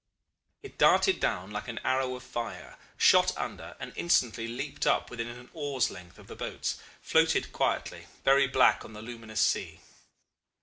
It darted down like an arrow of fire, shot under, and instantly leaping up within an oar's length of the boats, floated quietly, very black on the luminous sea.